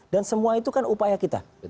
dan semua itu kan upaya kita